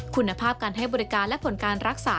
คุณภาพการให้บริการและผลการรักษา